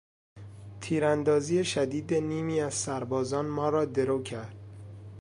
تیراندازی شدید نیمی از سربازان ما را درو کرد.